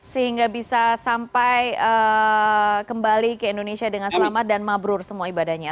sehingga bisa sampai kembali ke indonesia dengan selamat dan mabrur semua ibadahnya